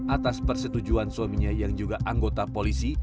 atas persetujuan suaminya yang juga anggota polisi